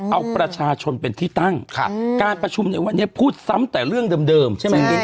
เอาประชาชนเป็นที่ตั้งการประชุมในวันนี้พูดซ้ำแต่เรื่องเดิมใช่ไหม